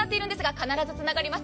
必ずつながります。